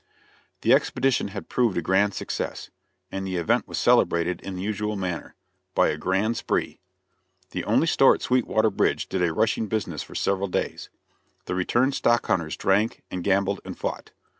The expedition had proved a grand success, and the event was celebrated in the usual manner by a grand spree. The only store at Sweetwater Bridge did a rushing business for several days. The returned stock hunters drank, and gambled and fought.